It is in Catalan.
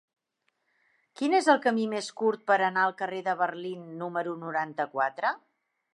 Quin és el camí més curt per anar al carrer de Berlín número noranta-quatre?